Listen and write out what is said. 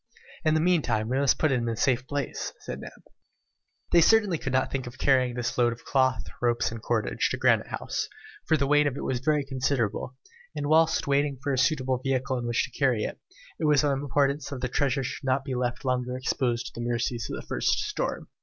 "In the meantime, we must put it in a safe place," said Neb. They certainly could not think of carrying this load of cloth, ropes, and cordage, to Granite House, for the weight of it was very considerable, and whilst waiting for a suitable vehicle in which to convey it, it was of importance that this treasure should not be left longer exposed to the mercies of the first storm.